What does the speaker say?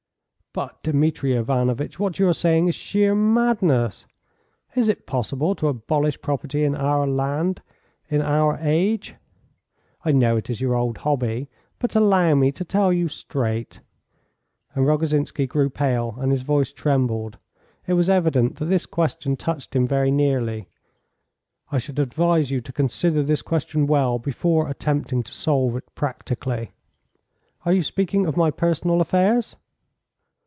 "But, Dmitri Ivanovitch, what you are saying is sheer madness. Is it possible to abolish property in land in our age? I know it is your old hobby. But allow me to tell you straight," and Rogozhinsky grew pale, and his voice trembled. It was evident that this question touched him very nearly. "I should advise you to consider this question well before attempting to solve it practically." "Are you speaking of my personal affairs?"